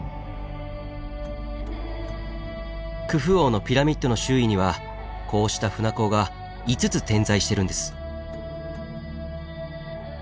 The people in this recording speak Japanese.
クフ王のピラミッドの周囲にはこうした舟坑が５つ点在してるんです。